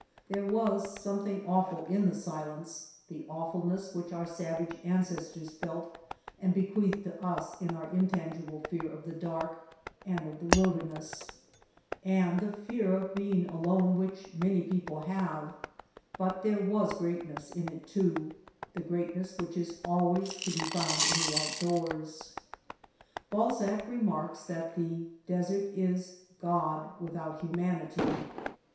There was something awful in the silence, the awfulness which our savage ancestors felt and bequeathed to us in our intangible fear of the dark and of the wilderness, and the fear of being alone which many people have; but there was great ness in it too, the greatness which is always to be found in the outdoors. Balzac remarks that ''the desert is God without humanity."